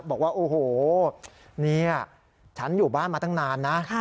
บอกว่าโอ้โหนี่ฉันอยู่บ้านมาตั้งนานนะ